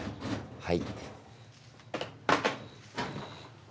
はい？